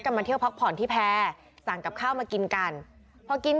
มาเที่ยวพักผ่อนที่แพร่สั่งกับข้าวมากินกันพอกิน